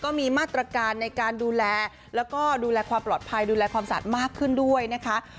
ก็มีมาตรการในการดูแลแล้วก็ดูแลความปลอดภัยดูแลความสะอาดมากขึ้นด้วยนะคะ